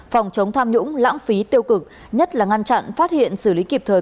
phòng chống tham nhũng lãng phí tiêu cực nhất là ngăn chặn phát hiện xử lý kịp thời